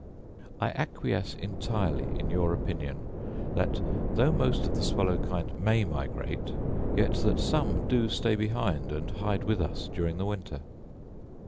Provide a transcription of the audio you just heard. I acquiesce entirely in your opinion—that, though most of the swallow kind may migrate, yet that some do stay behind and hide with us during the winter.